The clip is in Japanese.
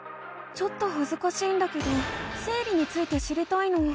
ちょっとはずかしいんだけど生理について知りたいの。